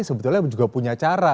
sebetulnya juga punya cara